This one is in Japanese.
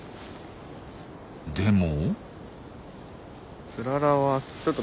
でも。